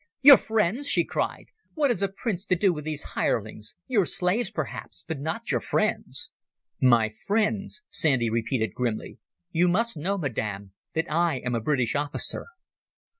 "Your friends!" she cried. "What has a prince to do with these hirelings? Your slaves, perhaps, but not your friends." "My friends," Sandy repeated grimly. "You must know, Madam, that I am a British officer."